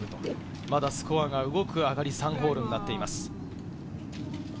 またスコアが動く上がり３ホールになっています。